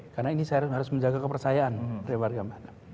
karena ini saya harus menjaga kepercayaan dari warga mana